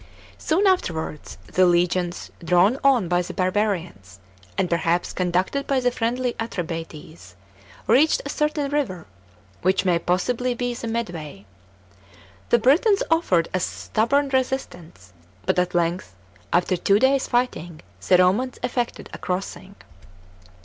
Soon afterwards, the legions, drawn on by the barbarians, and perhaps conducted by the friendly Atrebates, reached a certain river, which may possibly be the Medway. The Britons offered a stubborn resistance, but at length, after two days' fighting, the Romans effected a crossing.